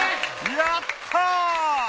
やった！